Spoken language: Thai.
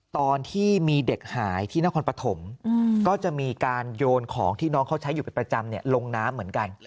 ตอนที่มีเด็กหายที่นครปฐมก็จะมีการโยนของที่น้องเขาใช้อยู่เป็นประจำลงน้ำเหมือนกัน